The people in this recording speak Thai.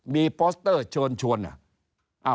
มีพสเตอร์โชวนนะ